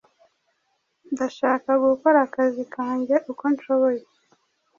Ndashaka gukora akazi kanjye uko nshoboye.